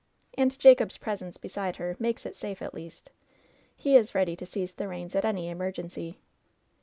And Jacob's presence beside her makes it safe, at least. He is ready to seize the reins at any emergency."